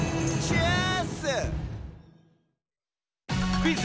クイズ